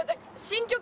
新曲？